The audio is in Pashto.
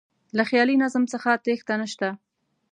له خیالي نظم څخه تېښته نه شته.